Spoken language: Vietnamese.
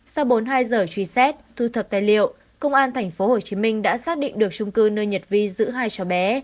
sau bốn mươi hai giờ truy xét thu thập tài liệu công an tp hcm đã xác định được trung cư nơi nhật vi giữ hai cháu bé